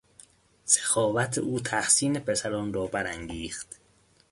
سخاوت او تحسین پسران را برانگیخت.